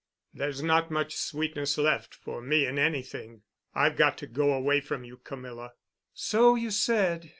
"There's not much sweetness left, for me in anything. I've got to go away from you, Camilla." "So you said."